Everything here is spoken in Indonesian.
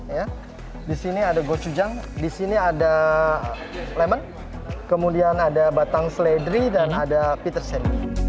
ya di sini ada gochujang di sini ada lemon kemudian ada batang seledri dan ada peter sen